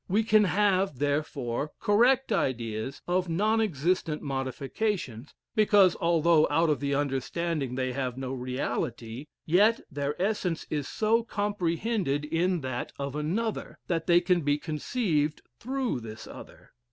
We can have, therefore, correct ideas of non existent modifications, because, although out of the understanding they have no reality, yet their essence is so comprehended in that of another, that they can be conceived through this other.